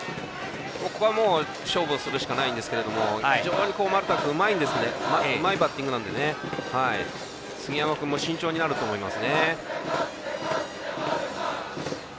ここはもう勝負するしかないんですけど非常に丸田君うまいバッティングなんで杉山君も慎重になると思います。